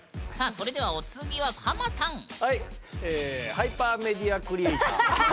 「ハイパーメディアクリエイター」。